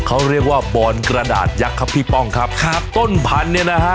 เขาเรียกว่าบอนกระดาษยักษ์ครับพี่ป้องครับครับต้นพันธุ์เนี่ยนะฮะ